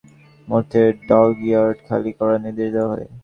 একই সঙ্গে আগামী পাঁচ দিনের মধ্যে ডকইয়ার্ড খালি করার নির্দেশ দেওয়া হয়।